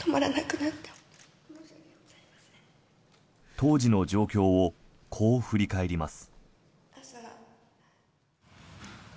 当時の状況をこう振り返ります。